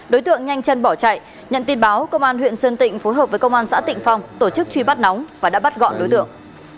đối tượng nhanh chân bỏ chạy nhận tin báo công an huyện sơn tịnh phối hợp với công an xã tịnh phong tổ chức truy bắt nóng và đã bắt gọn đối tượng